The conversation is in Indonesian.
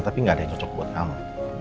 tapi gak ada yang cocok buat kamu